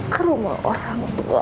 ke rumah orang tua